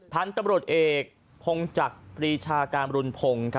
พันธุ์ตำรวจเอกพงจักรปรีชาการรุณพงศ์